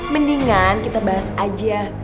mendingan kita bahas aja biar jauh aja ya